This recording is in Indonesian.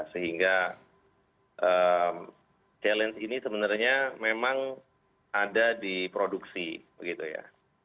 sehingga challenge ini sebenarnya memang ada di produksi begitu ya